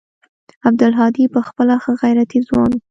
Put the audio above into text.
عبدالهادي پخپله ښه غيرتي ځوان و.